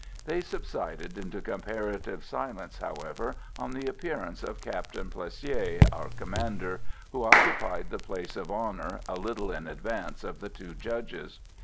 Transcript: They subsided into comparative silence, however, on the appearance of Captain Plessier, our commander, who occupied the place of honour, a little in advance of the two judges.